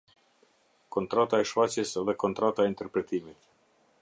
Kontrata e shfaqjes dhe kontrata e interpretimit.